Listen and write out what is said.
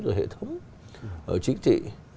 rồi hệ thống chính trị